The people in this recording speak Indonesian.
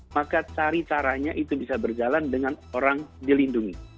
maka cara caranya itu bisa berjalan dengan orang dilindungi